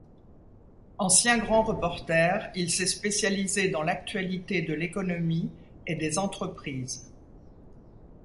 Ancien grand reporter, il s’est spécialisé dans l’actualité de l’économie et des entreprises.